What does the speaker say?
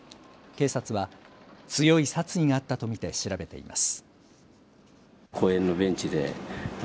警察は強い殺意があったと見て調べています。